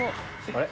あれ？